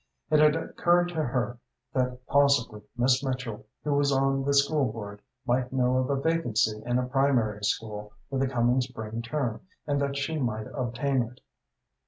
It had occurred to her that possibly Miss Mitchell, who was on the school board, might know of a vacancy in a primary school for the coming spring term, and that she might obtain it.